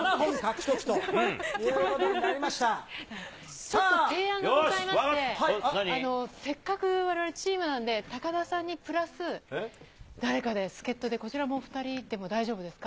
ちょっと提案がございまして、せっかくわれわれチームなんで、高田さんにプラス、誰かで助っ人で、こちらも２人でも大丈夫ですか。